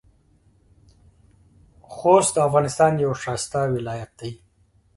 خوست د افغانستان یو ښایسته ولایت دی.